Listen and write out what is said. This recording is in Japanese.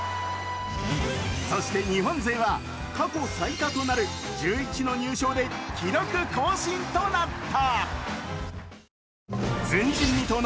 そして日本勢は、過去最多となる１１の入賞で記録更新となった！